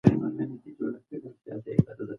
د صفوي پاچاهانو دوره په اخلاقي سقوط پای ته ورسېده.